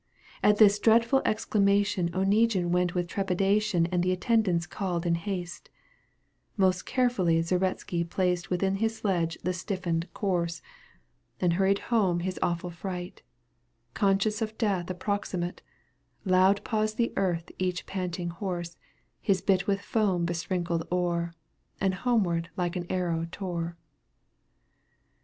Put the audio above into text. at this dreadftd exclamation Oneguine went with trepidation And the attendants caHed in haste. Most carefully Zaretski placed Within his sledge the stiffened corse, Digitized by CjOOQ 1С CANTO VL EUGENE ON^GUINK 177 And hurried home his awful freight. Conscious of death approximate, Loud paws the earth each panting horse, ffis bit with foam besprinkled o'er, And homeward like an arrow tore.